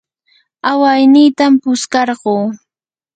awaynitam paskarquu.